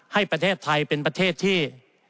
ให้ประเทศไทยเป็นประเทศที่